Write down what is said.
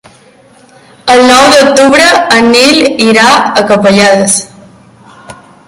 El nou d'octubre en Nil irà a Capellades.